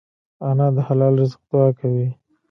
انا د حلال رزق دعا کوي